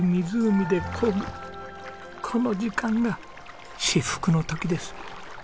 この時間が至福の時です。